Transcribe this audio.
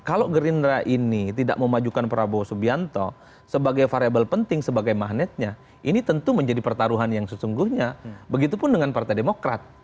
ataupun partai umat